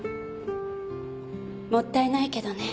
もったいないけどね。